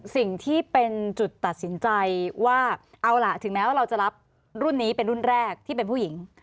สิ่งที่เป็นจุดตัดสินใจว่าเอาล่ะถึงแม้ว่าเราจะรับรุ่นนี้เป็นรุ่นแรกที่เป็นผู้หญิง